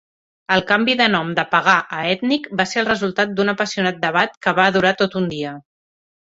El canvi de nom de "pagà" a "ètnic" va ser el resultat d'un apassionat debat que va durar tot un dia.